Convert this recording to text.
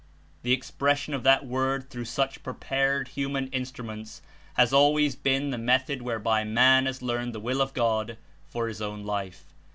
The expression of that Word through such prepared human Instru ments has always been the method whereby man has learned the Will of God for his own life.